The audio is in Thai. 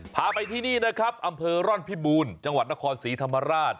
พาไปที่นี่นะครับอำเภอร่อนพิบูรณ์จังหวัดนครศรีธรรมราช